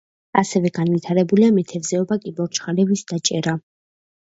ასევე განვითარებულია მეთევზეობა, კიბორჩხალების დაჭერა.